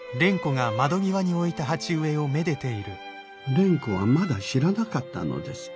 蓮子はまだ知らなかったのです。